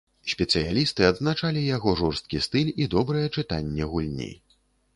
Спецыялісты адзначалі яго жорсткі стыль і добрае чытанне гульні.